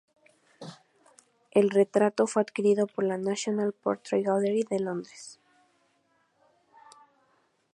El retrato fue adquirido por la National Portrait Gallery de Londres.